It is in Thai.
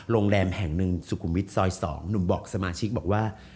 โรงแรมแห่งหนึ่งสุขุมวิทย์ซอย๒หนุ่มบอกสมาชิกบอกว่า